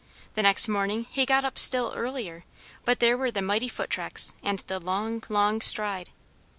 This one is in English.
The next morning he got up still earlier; but there were the mighty foot tracks and the long, long stride.